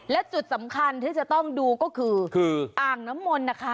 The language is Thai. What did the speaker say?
และจุดสำคัญที่จะต้องดูก็คืออ่างน้ำมนต์นะคะ